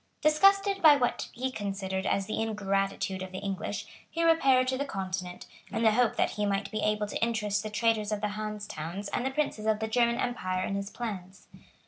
Disgusted by what he considered as the ingratitude of the English, he repaired to the Continent, in the hope that he might be able to interest the traders of the Hanse Towns and the princes of the German Empire in his plans.